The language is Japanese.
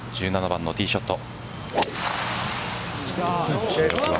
１７番のティーショット。